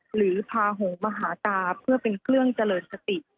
หรือพาหงมหาตาเพื่อเป็นเครื่องเจริญสติ